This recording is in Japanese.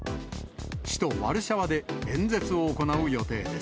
首都ワルシャワで演説を行う予定です。